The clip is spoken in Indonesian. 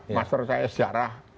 master saya sejarah